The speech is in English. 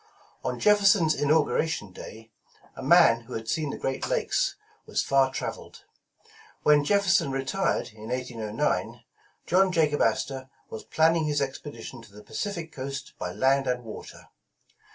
On Jefferson 's Inauguration Day, a man who had seen the Great Lakes was far traveled. Wlien Jefferson retired in 1809, John Jacob Astor was planning his expedition to the Pacific coast by land and water.